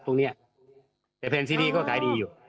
ทุกค้าน